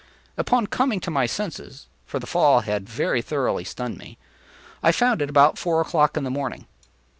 Upon coming to my senses, (for the fall had very thoroughly stunned me,) I found it about four o’clock in the morning.